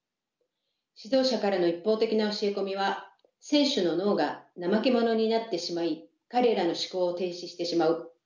指導者からの一方的な教え込みは選手の脳がナマケモノになってしまい彼らの思考を停止してしまう。